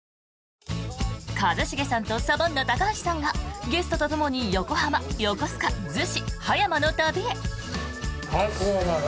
一茂さんとサバンナ・高橋さんがゲストとともに横浜横須賀逗子葉山の旅へ。